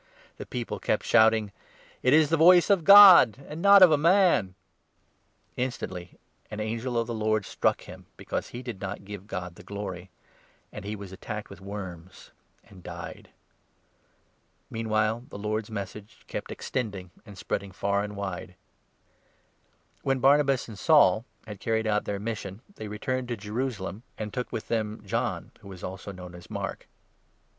The people kept shouting :" It is the voice of God, 22 and not of a man !" Instantly an angel of the Lord struck him, because he did not 23 give God the glory ; and he was attacked with worms, and died. Meanwhile the Lord's Message kept extending, and spread 24 ing far and wide. When Barnabas and Saul had carried out their mission, 25 they returned to Jerusalem, and took with them John, who was also known as Mark.